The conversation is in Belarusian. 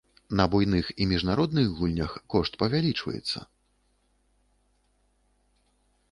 На буйных і міжнародных гульнях кошт павялічваецца.